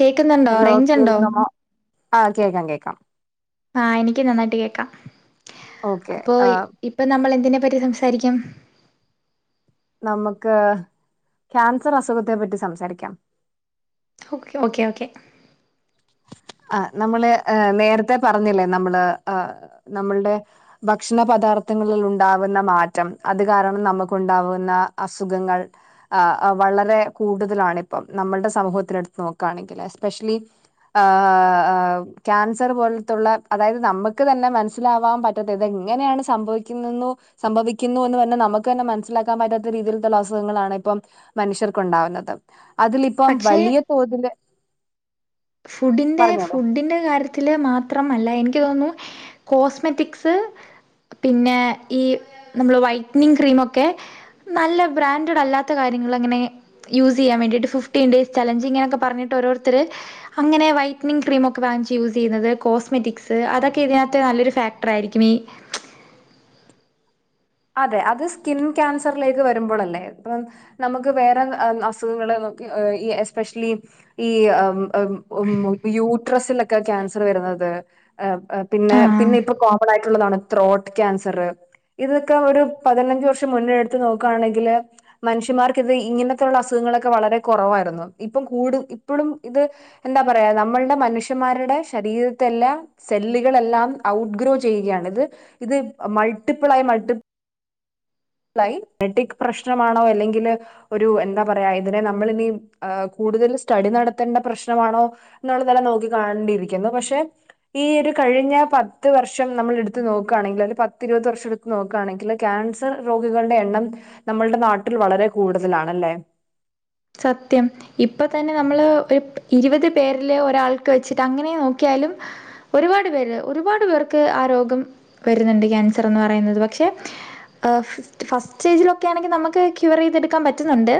കേക്കുന്നുണ്ടോ hello range ഉണ്ടോ കേൾക്കമോ ആ കേക്കാം കേക്കാം ആ എനിക്ക് നന്നായിട്ട് കേക്കാം ഓക്കെ അപ്പൊ ഇപ്പം നമ്മൾ എന്തിനെ പ് പറ്റി സംസാരിക്കും നമുക്ക് ക്യാൻസർ അസുഖത്തെ പറ്റി സംസാരിക്കാം ഓക്കെ ഓക്കെ ഓക്കെ [inaudible] ആ നമ്മളെ നേരത്തെ പറഞ്ഞില്ലേ നമ്മള് ആ നമ്മളുടെ ഭക്ഷണ പദാർഥ ത്തങ്ങളിൽ ഉണ്ടാവുന്ന മാറ്റം അത് കാരണം നമുക്കുണ്ടാവുന്ന അസുഖങ്ങൾ വളരെ കൂടുതലാണിപ്പം നമ്മളുടെ സമൂഹത്തിനടുത്ത് നോക്കുകയാണെങ്കിൽ എസ്പെഷ്യലി ആാാാാ ആ ക്യാൻസറു പോലത്തുള്ള അതായത് നമുക്ക് തന്നെ മനസ്സിലാവാൻ പറ്റാ ത്ത ഇതെങ്ങനെ എങ്ങനെയാണ് സംഭവിക്കുന്നെന്നോ സംഭവിക്കുന്നു എന്ന് നമുക്ക് തന്നെ മനസിലാക്കാൻ പറ്റാത്ത രീതീ ലത്തുള്ള അസുഖങ്ങളാണ് ഇപ്പം മനുഷ്യർക്കുണ്ടാവുന്നത് അതിലി പ്പം പക്ഷേ വലിയ തോതില് ഫുഡിന്റെ പറഞ്ഞോളൂ ഫുഡിന്റെ കാര്യത്തില് മാത്രമ അല്ല എനിക്കു തോന്നുന്നു കോസ്മെറ്റിക്സ് പിന്നെ ഈ നമ്മൾ വൈറ്റ്നിങ് ക്രീമൊക്കെ നല്ല ബ്രാൻഡ്ടല്ലാത്ത കാര്യങ്ങ ലങ്ങനെ യൂസ് ചെയ്യാൻ വേണ്ടിട്ട് ഫിഫ്റ്റീൻ ഡേയ്സ് ചലഞ്ചിങ് ഇങ്ങനൊക്കെ പറഞ്ഞിട്ടെ ഓരോരുത്തരെ അങ്ങനെ വൈറ്റനിങ് ക്രീമൊക്കെ വാങ്ങിച്ച് യൂസ് ചെയ്യുന്നത് കോസ്മെറ്റിക്സെ അതൊക്കെ ഇതിനകത്ത് നല്ലൊരു ഫാക്ടറാ യിരിക്കും ഈ [unintelligible] [inaudible] അതെ അത് സ്കിൻ ക്യാൻസറിലേക്ക് വരുമ്പോളല്ലേ ഇപ്പം നമുക്ക് വേറെ അസുഖങ്ങളെ നമുക്കെ എസ്പെഷ്യലി ഈ യൂട്രസിലൊക്കെ ക്യാൻസർ വരുന്നത് അതെ ആ പിന്നെ ആ പിന്നിപ്പം കോമണായിട്ടുള്ളതാണെ ത്രോട്ട് ക്യാൻസറെ ഇത് ക്കെ ഒരു പതിനഞ്ച് വർഷം മുന്നേ എടുത്തെ നോക്കുകയാണെങ്കിൽ മനുഷ്യമാർക്കെ ഇത് ഇങ്ങനത്തെയുള്ള അസുഖങ്ങളൊക്കെ വളരെ രെ കുറവായിരുന്നു ഇപ്പം കൂടും ഇപ്പഴും ഇത് എന്താ പറയാ നമ്മളുടെ മനുഷ്യന്മാരുടെ ശരീര ത്തെല്ലാം സെല്ലുകളെല്ലാം ഔട്ട് ഗ്രോ ചെയ്യുകയാണ് ഇത് ഇത് മൾട്ടിപ്പിൾ ആയി മൾട്ടി ഫ്ലൈ മെട്രിക് പ്രശ്നമാണോ അല്ലെങ്കിലെ ഒരു എന്താ പറയാ ഇതിനെ നമ്മളിനി കു കൂടുതലു സ്റ്റഡി നടത്തണ്ട പ്രശ്നമാണോ എന്നുള്ളതല്ല നോക്കികാണെണ്ടിയിരിക്കുന്നു പക്ഷെ ഈ ഒരു ക കഴിഞ്ഞ പത്ത് വർഷം നമ്മളെടുത്ത് നോക്കുകയാണെങ്കിൽ അതിൽ പത്തിരുപത് വർഷം എടുത്ത് നോക്കുകയാണെങ്കിൽ ക്യാൻസർ രോഗികളുടെ എണ്ണം നമ്മൾടെ നാട്ടിൽ വളരെ കൂടുതലാണെ സത്യം ഇപ്പൊ തന്നെ നമ്മള് ഒരു ഇരുപത് പേരിലെ ഒരാൾക്ക് വെച്ചിട്ട് അങ്ങനെ നോക്കിയാ യാലും ഒരുപാട് പേര് ഒരുപാട് പേർക്ക് ആ രോഗം വരുന്നുണ്ട് ക്യാൻസറെന്നു പറയുന്നത് പക്ഷെ [inaudible] ഏ ഫസ്റ്റ് സ്റ്റേജിലൊക്കെ ആണെങ്കിൽ നമുക്ക് ക്യൂവർ ചെയ്തെടുക്കാൻ പറ്റുന്നുണ്ട്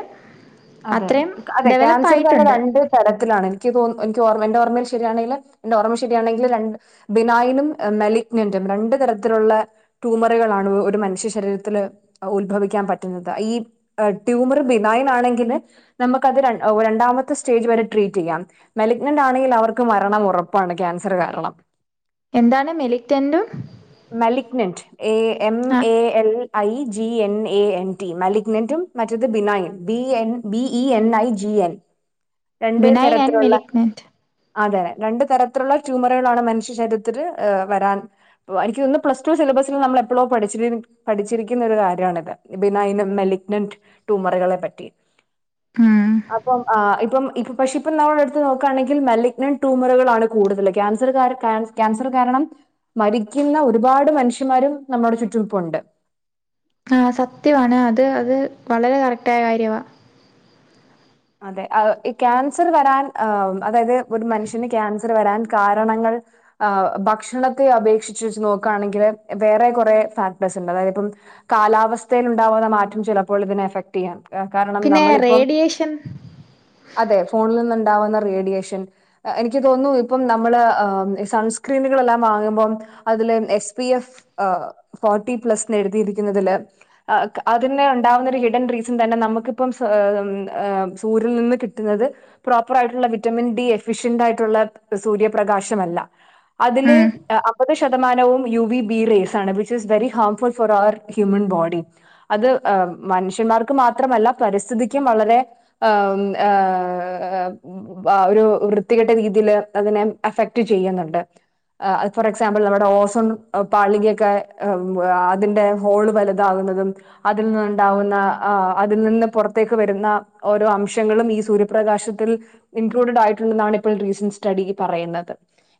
അതെ അത്രയും അതെ ഡെവലപ്പ് ക്യാൻസർ തന്നെ ആയിട്ടുണ്ട്. രണ്ട് തരത്തിലാണ് എനിക്ക് തോന്നു എനിക്ക് ഓർമ്മ എന്റെ ഓർമ്മയിൽ ശരിയാണെങ്കില് എന്റെ ഓർമ്മ ശരിയാണെങ്കില് ര ബിനായിനും മെലിഗ്ന്റും രണ്ട് തരത്തിലുള്ള ട്യൂമറുകളാണ് ഒരു മനുഷ്യ ശരീരത്തില് ഉത്ഭവിക്കാൻ പറ്റുന്നത് ഈ ട്യൂമർ ബിനായിൻ ആണെ നമ്മുക്കത് രണ്ടാമത്തെ സ്റ്റേജ് വരെ ട്രീറ്റ് ചെയ്യാം മെലഗ്നന്റ് ആണെങ്കി അവർക്ക് മരണം ഉറപ്പെ ഉറപ്പാണ് ക്യാൻസർ കാരണം എന്താണ് മെലിക്റ്റന്റും malignant A M ah A L I G N A N T മലിഗ്നന്റും മറ്റത് benign B N B E N I G N രണ്ട് ബിനൈൻ ആൻഡ് തരത്തിലുള്ള മെലിഗ്നന്റ്. അതന്നെ അതെ രണ്ടു തരത്തിലുള്ള ട്യൂമറുകളാണ് മനുഷ്യ ശരീത്തിൽ വരാൻ എനിയ്ക്കു തോന്നുന്നു പ്ലസ് ടു ൽ നമ്മള എപ്പോഴോ പഠിച്ചി പഠിച്ചിരിക്കുന്നൊരു കാര്യമാണിത് പിന്നെ അതിന് മെലിഗ്നന്റ് ട്യൂമറുകളെ പറ്റി ഉം അപ്പം ആ ഇപ്പം ഇ പക്ഷെ ഇപ്പ നമ്മള എടുത്ത് നോക്കുകയാണെങ്കിൽ മലിഗ്നന്റ് ട്യൂമറുകളാണ് കൂടുതൽ ക്യാൻ ക്യാസറു കാരണം മരിക്കുന്ന ഒരുപാട് മനുഷ്യമാരും നമ്മുടെ ചുറ്റുപ്പുണ്ട് ആഹ സത്യാണ് അത് അത് വളരെ കറക്റ്റ് ആയ കാര്യവാ അതെ ഈ ക്യാൻസർ വരാൻ അതായത് ഒരു മനുഷ്യന് ക്യാൻസർ വരാൻ കാരണങ്ങൾ ഭക്ഷണത്തെ അപേക്ഷിച്ചച്ച് വെച്ച് നോക്കുകയാണെങ്കിൽ വേറെ കുറെേ ഫാക്ടേഴ് ഉണ്ട് അതായത്പ്പം കാലാവസ്ഥൽ ഉണ്ടാവുന്ന മാറ്റം ചിലപ്പോൾ ഇതിനെ എഫക്ട് ചെയ്യാം കാരണം പിന്നെ നമ്മളിപ്പം റേഡിയേഷൻ [unintelligible] അതെ ഫോണിൽ നിന്നുണ്ടാവുന്ന റേഡിയേഷൻ എനിക്ക് തോന്നുന്നു ഇപ്പം നമ്മള് സൺസ്ക്രീനുക ാുമ്പ അതില് എ് ഫോർി പ്ല എഴുതിരിക്കുന്നതില് അതിനെ ഉണ്ടാവുന്ന ഒരു ഹിഡൻ റീസൺ തന്നെ നമുക്കിപ്പം സൂര്യൽ നിന്ന് കിട്ടുന്നത് പ്രോപ്പർ ആയിട്ടുള്ള വിറ്റമിൻ ഡി എഫിഷ്യന്റ് ആയിട്ടുള്ള സൂര്യപ്രകാശമല്ല അ ഉം ശതമാനവും യു വി ബി റേസ് ആണ് which is very harmful for our human body അത് മനുഷ്യന്മാർക്ക് മാത്രമല്ല പരിസ്ഥിതിക്കും വളരെ ഒരു വൃത്തികെട്ട രീതിൽ അതിനെ അഫക്ട് ചെയ്യും ചെയ്യുന്നുണ്ട് [unintelligible] ഫോർ എക്സാമ്പിൾ നമ്മുടെ ഓസോൺ പാളികയൊക്കെ അതിന്റെ ഹോള് വലുതാകുന്നു ുന്നതും അതിൽ നിന്നണ്ടാവുന്ന ആ അതിൽ നിന്ന് പുറത്തേക്ക് വരുന്ന ഓരോ അംശങ്ങളും ഈ സൂര്യപ്രകാശത്തിൽ ഇൻക്ലൂഡ് ആയിട്ടുണ്ടെന്നാണ് ഇപ്പോൾ റീസന്റ് സ്റ്റഡി പറയുന്നത്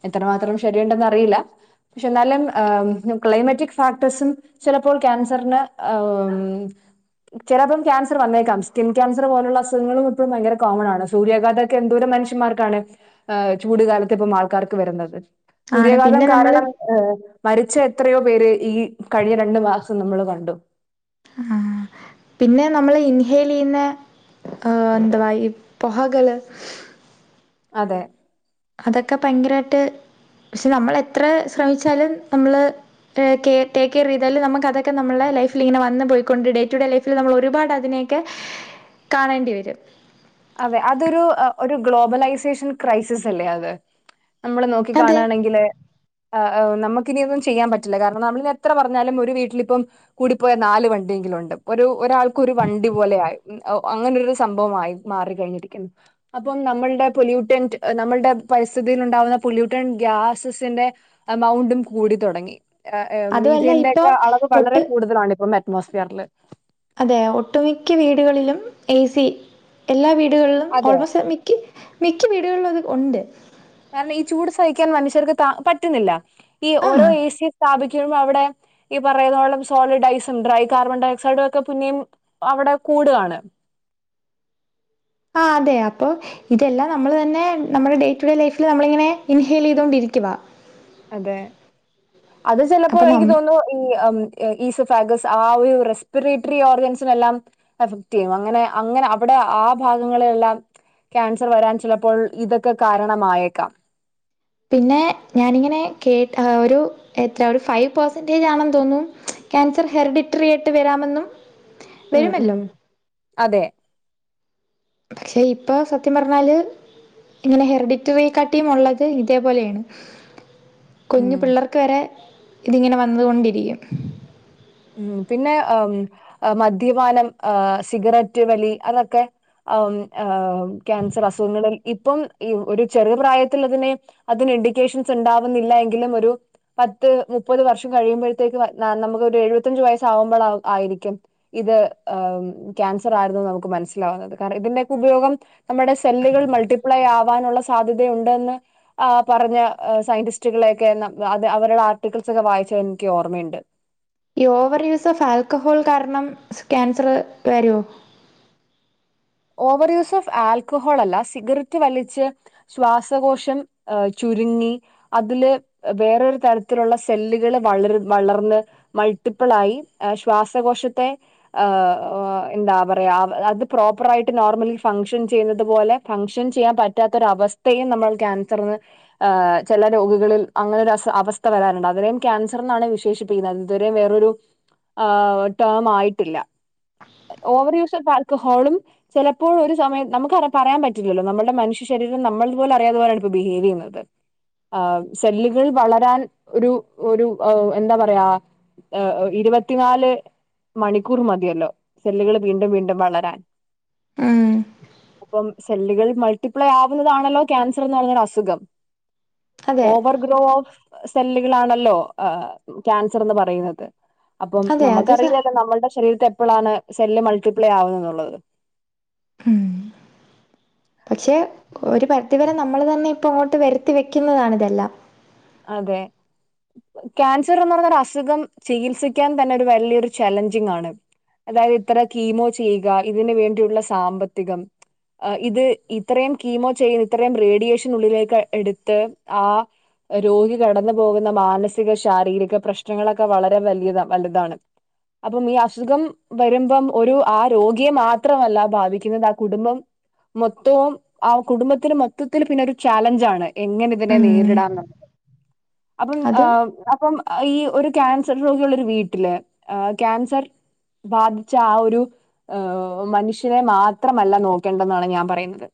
എത്ര മാത്രം ശരിയണ്ടെന്ന്റിയില്ല പക്ഷെ എന്നാലും ക്ലൈമാറ്റിക് ഫാക്ടേഴ്സും ചിലപ്പോൾ ക്യാൻസറിന് ചിലപ്പോ ക്ൻസർ വന്നേക്കാം സ്കിൻ ക്ൻസർ ുള്ള അുങ്ങളും ഇും ഭയങ്കര കോമൺാണ്ണ് സൂര്യാഘതൊക്കെ എന്തോരം മനുഷ്യമാർക്കാണ് ചൂട കാലത്തെ ആൾക്കാർക്ക് വരുന്നത് ആണ് സൂര്യാഘാതം പിന്നെ കാരണം നമ്മള് മരിച്ച എത്രയോ പേര് ഈ കഴിഞ്ഞ രണ്ടു മാസം നമ്മൾ കണ്ടു ആ പിന്നെ നമ്മള് ഇൻഹെൽ ചെയ്യുന്ന ദവായി പഹാഗല അതെ അതൊക്കെ ഭയങ്കരമായിട്ട് പക്ഷെ നമ്മൾ എത്ര ശ്രമിച്ചാലും നമ്മള് ടക്ക് കെയർ ചെയ്താലും നമുക്ക് അതൊക്കെ നമ്മുടെ ലൈഫിൽ ഇങ്ങനെ വന്ന പോയിക്കൊണ്ട് ഡേ ടു ഡേ ലൈഫിൽ നമ്മൾ ഒരുപാട് അതിനെ കാണേണ്ടി വരും അതെ അതൊരു ഒരു ഗ്ലോബലൈസേഷൻ ക്രൈസിസ് അല്ലേ അത് നമ്മള് നോക്കി അതെ കാണായാണെങ്കില് ആഹ് നമുക്കിനനൊന്നും ചെയ്യാ പറ്റില്ല കാരണം നമ്മളി ഇനി എത്ര പറഞ്ഞാലും ഒരു വീട്ടിലിപ്പം കൂടിപ്പോയ നാല് വണ്ടി വണ്ടിയുണ്ട് ഒരാൾക്ക് ഒരു വണ്ടി പോലെ ആയി അങ്ങനെ ഒരു സംഭവമായി മാറിക്കഴിഞ്ഞിരിക്കുന്നു അപ്പം നമ്മളുടെ പൊല്യൂട്ടന്റ് നമ്മളുടെ പരിസ്ഥിതിൽ ഉണ്ടാവുന്ന പൊല്യൂട്ടന്റ് - ാസ [unintelligible] സിന്റെ എമൗണ്ടും കൂടി തുടങ്ങി അതുമല്ല മീഥേന്റെ ഒക്കെ ഇപ്പോൾ അളവ് വളരെ ഒട്ട് കൂടുതലാണ് ഇപ്പം അറ്റ്മോസ്ഫിയറില് അതെ ഒട്ടുമിക്ക വീടുകളിലും എ സി എല്ലാ വീടുകളിലും അതെ ഓൾമോസ്റ്റ് മിക്ക മിക്ക വീടുകളിലും അത് ഉണ്ട് കാരണം ഈ ചൂട് സഹിക്കാൻ മനുഷ്യർക്ക് ത പറ്റുന്നില്ല ഈ ഓരോ ആ എ സി സ്ഥാപിക്ക- അവിടെ ഈ പറയുന്നോളം സോളിഡ്ഐസും ഡ്രൈ കാർബൺ ഡയോക്സൈഡും ഒക്കെേപിന്നെയും അവിടെ- കൂടവാണ് ആഹ് അതെ അപ്പൊ ഇതെല്ലാം നമ്മള് തന്നെ നമ്മുടെ ഡേ ടു ഡേ ലൈഫിൽ നമ്മള ഇങ്ങനെ ഇൻഹെൽ ചെയ്തൊണ്ടിരിക്കും ഇക്കവാ അതെ അത് ചെലപ്പോ അപ്പൊ നം എനിക്ക് തോന്നുന്നു ഈ- ഈ ഫാഗസ് ആ ഒരു റെസ്പിറേറ്ററി ഓർഗൻസിന് എല്ലാം എഫക്ട് ചെയ്യും അങ്ങനെ അങ്ങനെ അവിടെ- ആ ഭാഗങ്ങളിലെല്ലാം- ക്യാൻസർ വരാൻ ചിലപ്പോൾ ഇതൊക്കെ കാരണമായേക്കാം പിന്നെ ഞാനിങ്ങനെ കേ ഒരു എത്ര ഒരു ഫൈവ് പെർസെന്റേജ് ആണെന്ന് തോന്നും ൻസർ ഹെറിഡിറ്ററി ആയിട്ട് വരാമെന്നും ഉം ഉം വരുമല്ലോ അതെ എടെ പക്ഷെ ഇപ്പൊ സത്യം പറഞ്ഞാല്- ഇങ്ങനെ ഹെറിഡിറ്ററി കട്ടിയും ഉള്ളത് ഇതേപോലെയാണ് കുഞ്ഞു ഉം പിള്ളർക്ക് വരെ ഇതിങ്ങനെ വന്നുകൊണ്ടിരിക്കും ഉം പിന്നെ മദ്യപാനം സിഗരറ്റ് വലി അതൊക്കെ- ആഹ് കാൻസർ അസുഖങ്ങളെ ഇപ്പം ഒരു ചെറിയ പ്രായത്തിൽ അതിനെ അത് എഡ്യൂക്കേഷൻ - [unintelligible] ഉണ്ടാവുന്നില്ല എങ്കിലും ഒരു പത്ത് മുപ്പത് വർഷം കഴിയുമ്പയത്തേക്കും ന നമുക്ക് ഒരു എഴുപത്തി പത്തഞ്ച് വയസ്സ് ആകുമ്പള് ആയിരിക്കും ഇത് ക്യാൻസർ ആയിരുന്നു നമുക്ക് മനസ്സിലാവുന്നത് കാരണം ഇതിന്റെക്കെ ഉപയോഗം നമ്മുടെ സെല്ലുകൾ മൾട്ടിപ്ലൈ ആവ ക്കാനുള്ള സാധ്യതയുണ്ടെന്ന് ആഹ് പറഞ്ഞ ഏഹ് സയന്റിസ്റ്റുകളെയൊക്കെ ന-തെ അവരുടെ ആർട്ടിക്കിൾ പുസ്തകം വായിച്ച എനിക്ക് ഓർമ്മയുണ്ട് ഈ ഓവർ യൂസ് ഓഫ് ആൽക്കഹോൾ കാരണം ക്യാൻസർ വരോ? ഓവർ യൂസ് ഓഫ് ആൽക്കഹോൾ അല്ല സിഗരറ്റ് വലിച്ച് ശ്വാസകോശം ഏഹ് ചുരുങ്ങി അതില് വേറൊരു തരത്തിലുള്ള സെല്ലുകള് വളർ വളർന്ന് മൾ പ്പളായി ശ്വാസകോശത്തെ ഏഹ് ഓഹ് എന്താ പറയാ അത് പ്രോപ്പ പ്പറായിട്ട് നോർമലി ഫംഗ്ഷൻ ചെയ്യുന്നത് പോലെ ഫംഗ്ഷൻ ചെയ്യാൻ പറ്റാത്തൊരവസ്ഥയും നമ്മൾ ക്യാൻസർന്ന് ഏഹ് ചെല രോഗികളിൽ അങ്ങനൊരസ അവസ്ഥ വരാറുണ്ട് അതിനേയും ക്യാൻസർ എന്നാണ് വിശേഷിപ്പിക്കുന്നത് ഇതുവരെയും വേറരു ആഹ് ടെം ആയിട്ടില്ല ഓവർ യൂസ് ഓഫ് ആൽക്കഹോളും ചെലപ്പോൾ ഒരു സമയം നമുക്ക് പറയാൻ പറ്റില്ലല്ലോ നമ്മൾടെ മനഷ്യ ശരീരം നമ്മൾ പോലും അറിയാതെ യാണ് ഇപ്പോ ബിഹേവ് ചെയ്യുന്നത് അതെ ആഹ് സെല്ലുകൾ വളരാൻ ഒരു ഔഹ് ഒരു എന്താ പറയാ ഇരുപത്തിനാല് മണിക്കൂർ മതിയല്ലോ സെല്ലുകൾ വീണ്ടും വീണ്ടും വളരാൻ ഉം അപ്പം സെല്ലുകൾ മൾട്ടിപ്ലൈ ആവുന്നതാണല്ലോ ക്യാൻസർ എന്ന് പറഞ്ഞൊരു അസുഖം അതെ ഓവർ ഗ്രോ ഓഫ് സെല്ലുകളാണല്ലോ ക്യാൻസർ എന്ന് പറയുന്നത് അപ്പം അതെ അത് സ നമുക്കറിയില്ലല്ലോ നമ്മളുടെ ശരീരത്തെ എപ്പളാണ് സെല്ല് മൾട്ടിപ്ലൈ ആവുന്നത് എന്നുള്ളത് ഊം പക്ഷെ ഒരു പരിധി വരെ നമ്മൾ തന്നെ ഇപ്പൊ അങ്ങോട്ട് വരുത്തി വെക്കുന്നതാണിതെല്ലാം അതെയ് ക്യാൻസർന്ന് പറഞൊരു അസുഖം ചികിത്സിക്കാൻ തന്നെ ഒരു വലിയൊരു ചലഞ്ചിങ് ആണ് അതായത് ഇത്ര കീമോ ചെയ്യുക ഇതിനന് വേണ്ടിയുള്ള സാമ്പത്തികം ആ ഇത് ഇത്രയും കീമോ ചെയ്യുന്ന ഇത്രയും റേഡിയേഷന ഉള്ളിലേക്ക്. എടുത്ത് ആ രോഗി കടന്നു പോകുന്ന മാനസിക ശാരീരിക പ്രശ്നങ്ങളൊക്കെ വളരെ വലിയത വലുതാണ്. അപ്പം ഈ അസുഖം വരുമ്പം ഒരു ആ രോഗിയെ മാത്രമല്ല. ഭാാവിക്കുന്നത് ആ കുടുംബം മൊത്തവും ആ കുടുംബത്തിന് മൊത്തത്തിൽ. പിന്നെ ഒരു ചാലഞ്ചാണ് എങ്ങനെ ഇതിനെ ഉം നേരിടാന്ന അപ്പം അതും അപ്പം ഈ ഒരു ക്യാൻസർ രോഗികുള്ള ഒരു വീട്ടില് ക്യാൻസർ ബാധിച്ച ആ ഒരു ഏ മനുഷ്യനെ മാത്രമല്ല നോക്കേണ്ടെന്നാണ് ഞാൻ പറയുന്നത്.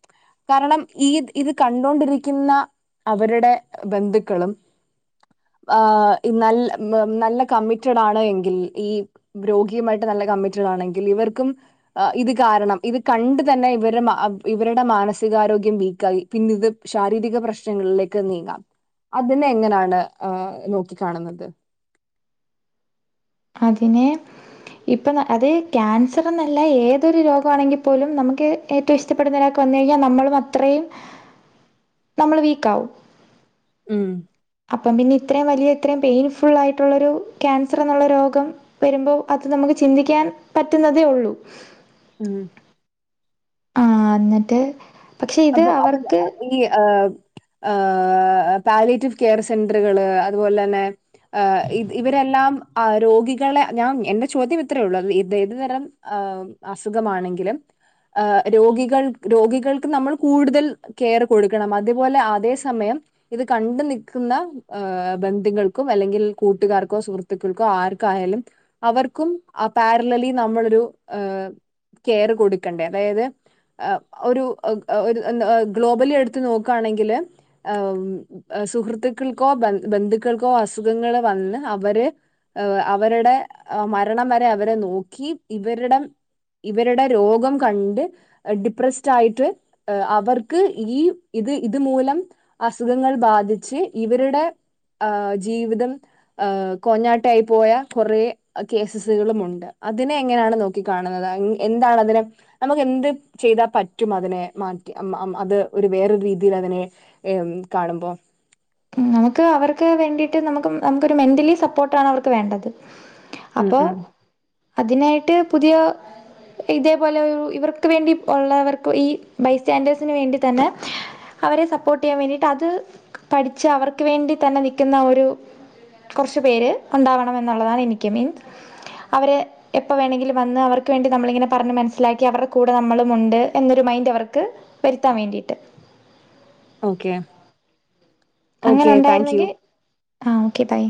കാരണം ഈ ഇത് കണ്ടൊണ്ടിരിക്കുന്ന അവരുടെ ബന്ധുക്കളും. ആ ന നല്ല കമ്മിറ്റഡ് ആണ് എങ്കിൽ ഈ രോഗിയുമായിട്ട് നല്ല കമ്മിറ്റാണെങ്കിൽ ഇവർക്കും ഇത് കാരണം. ഇത് കണ്ട തന്നെ ഇവരുടെ ഇവരുടെ മാനസിക മാനസികാരോഗ്യം വീക്ക ആായിി പിന്നെ ഇത് ശാരീരിക പ്രശ്നങ്ങളിലേക്ക് നീങ്ങാം അതിനെ എങ്ങനെയാണ് നോക്കി കാണുന്നത്. [unintelligible] ഇപ്പം അത് ക്യാൻസർ എന്നല്ല ഏതൊരു രോഗമാണെങ്കിൽ പോലും നമുക്ക് ഏറ്റവും. ഇഷ്ടപ്പെടുന്നതിനരാ കഴിഞ്ഞാൽ നമ്മളും അത്രയും നമ്മൾ വീക്ക ആകും ഉം അപ്പം പിന്നെ ഇത്രയും വലിയ ഇത്രയും പെയിൻഫുൾ ആയിട്ടുള്ളൊരു ക്യാൻസർ എന്നുള്ള രോഗം വരുമ്പോൾ അത് നമുക്ക് ചിന്തിക്കാൻ പറ്റുന്നതേ ഉള്ളൂ. ഉം ആ എന്നിട്ട് പക്ഷെ ഇത് അപ്പൊ അ അവർക്ക് ഈ ആ എ പാലേറ്റീവ് കെയർ സെന്ററുകള് അതുപോലെ തന്നെ എ ഇത് ഇവരെല്ലാം ആ രോഗികളെ ഞാ എന്റെ ചോദ്യം ഇത്രേ ഉള്ളൂ ഇ ത് തരം അസുഖമാണെങ്കിലും രോഗികൾ രോഗികൾക്ക് നമ്മള് കൂടുതൽ കെയർ കൊടുക്കണം. അതുപോലെ അതേ സമയം ഇത് കണ്ട് നിൽക്കുന്ന. ബന്ധികൾക്കും അല്ലെങ്കിൽ കൂട്ടുകാർക്കോ ബന്ധുക്കൾക്കും, കൂട്ടുകാർക്കും, സുഹൃത്തുക്കൾക്കോ ആർക്കായാലും അവർക്കും. പാരലാ നമ്മൾ ഒരു കെയർ കൊടുക്കണ്ടേ അതായത് ഒരു ഗ്ലോബലി എടുത്ത് നോക്കുകയാണെങ്കിൽ സുഹൃത്തുക്കൾക്കോ ബന്ധുക്കൾക്കോ അസുഖങ്ങള് വന്ന് അവരെ. ഏ അവരുടെ മരണം വരെ അവരെ നോക്കി ഇവരുടെ ഇവരുടെ രോഗം കണ്ട് ഡിപ്രസായിട്ട്. അവർക്ക് ഈ ഇത് ഇത് മൂലം അസുഖങ്ങൾ ബാധിച്ച് ഇവരുടെ ആ ജീവിതം കോഞ്ഞാട്ടായി പോയ കുറെ കേസുകളുമുണ്ട്. അതിനെ എങ്ങനെയാണ് നോക്കി കാണുന്നത് എന്താണ് അതിനെ നമുക്ക് എന്ത് ചെയ്താ പറ്റും അതിനെ മാറ്റി അത് ഒരു വേറൊരു രീതിയിൽ അതിനെ കാണുമ്പോ നമുക്ക് അവർക്ക് വേണ്ടിട്ട് നമുക്ക് നമുക്കൊരു മെന്റലി സപ്പോർട്ട് ആണ് അവർക്ക് വേണ്ടത്. ഉം അപ്പോ ഉം അതിനായിട്ട് പുതിയ ഇതേപോലെ ഇവർക്ക് വേണ്ടി ഉള്ളവർക്ക് ഈ ബൈസ്റ്റാൻഡേഴ്സിന് വേണ്ടി തന്നെ. അവരെ സപ്പോർട്ട് ചെയ്യാൻ വേണ്ടിയിട്ട് അത് പഠിച്ച് അവർക്ക്. വേണ്ടി തന്നെ നിൽക്കുന്ന ഒരു കുറച്ച് പേര് ഉണ്ടാവണം. എന്നുള്ളതാണ് എനിക്ക് മീൻസ് അവര് എപ്പാ വേണമെങ്കിലും വന്ന്. അവർക്ക് വേണ്ടി നമ്മളിങ്ങനെ പറഞ്ഞ് മനസ്സിലാക്കി അവരുടെ കൂടെ നമ്മളും ഉണ്ട്. എന്നൊരു മൈൻഡ് അവർക്ക് വരുത്താൻ വേണ്ടിയിട്ട്. ഓക്കെ അങ്ങനെ ഓക്കെ താങ്ക് യു ഉണ്ടായിരുന്നെങ്കിൽ ആ ഓക്കെ ബൈ.